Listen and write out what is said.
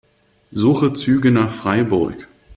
Suche Züge nach Freiburg.